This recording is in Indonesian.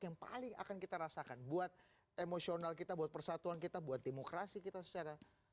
yang paling akan kita rasakan buat emosional kita buat persatuan kita buat demokrasi kita secara